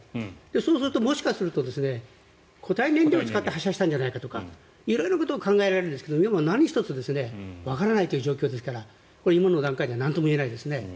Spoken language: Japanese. そうするともしかすると固体燃料を使って発射したんじゃないかとか色々なことが考えられますが何１つわからないという状況ですからこれ今の段階ではなんとも言えないですね。